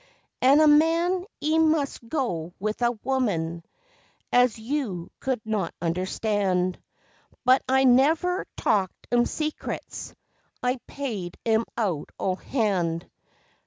An' a man 'e must go with a woman, as you could not understand; But I never talked 'em secrets. I paid 'em out o' hand.